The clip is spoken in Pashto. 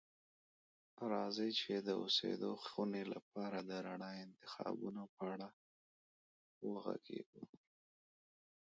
راځئ چې د اوسیدو خونې لپاره د رڼا انتخابونو په اړه وغږیږو.